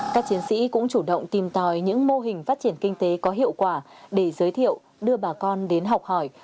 các chiến sĩ cũng chủ động tìm tòi những mô hình phát triển kinh tế có hiệu quả để giới thiệu đưa bà con đến học hỏi